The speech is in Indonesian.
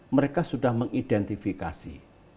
mereka sudah mengidentifikasi